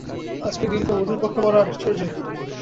আজকের দিনটা মধুর পক্ষে বড়ো আশ্চর্যের দিন।